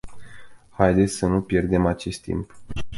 Haideți să nu pierdem acest timp.